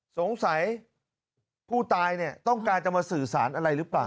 สงสัยผู้ตายเนี่ยต้องการจะมาสื่อสารอะไรหรือเปล่า